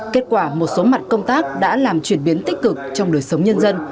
kết quả một số mặt công tác đã làm chuyển biến tích cực trong đời sống nhân dân